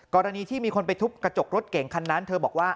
กรณีที่มีคนไปทุบกระจกรถเก่งคันนั้นเธอบอกว่า